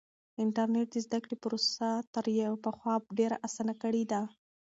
انټرنیټ د زده کړې پروسه تر پخوا ډېره اسانه کړې ده.